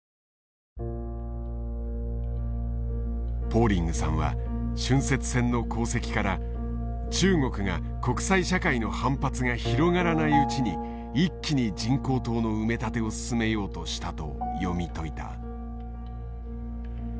ポーリングさんは浚渫船の航跡から中国が国際社会の反発が広がらないうちに一気に人工島の埋め立てを進めようとしたと読み解いた。